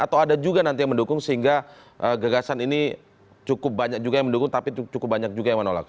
atau ada juga nanti yang mendukung sehingga gagasan ini cukup banyak juga yang mendukung tapi cukup banyak juga yang menolak